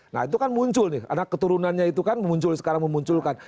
nah itu kan muncul nih ada keturunannya itu kan sekarang memunculkan